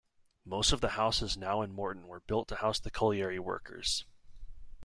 Most of the houses now in Morton were built to house the colliery workers.